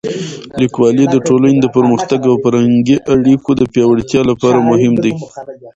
لیکوالی د ټولنې د پرمختګ او فرهنګي اړیکو د پیاوړتیا لپاره مهم دی.